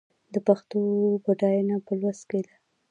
د پښتو بډاینه په لوست کې ده.